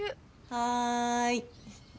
はい。